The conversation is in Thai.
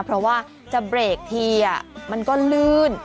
เพราะว่าจะเบรกทีมันก็ลื่น